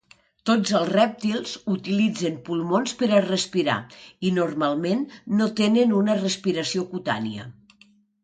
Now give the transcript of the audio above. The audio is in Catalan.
Tots els rèptils utilitzen pulmons per a respirar, i normalment no tenen una respiració cutània.